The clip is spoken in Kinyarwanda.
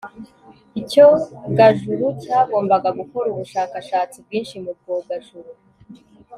icyogajuru cyagombaga gukora ubushakashatsi bwinshi mu byogajuru